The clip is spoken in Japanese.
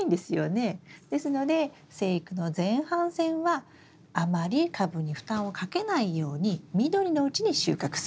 ですので生育の前半戦はあまり株に負担をかけないように緑のうちに収穫する。